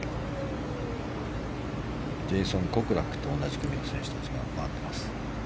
ジェイソン・コクラックと同じ組の選手たちが回ってます。